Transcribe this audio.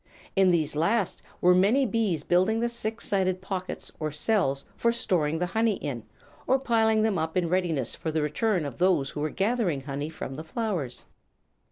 In these last were many bees building the six sided pockets or cells for storing the honey in, or piling them up in readiness for the return of those who were gathering honey from the flowers.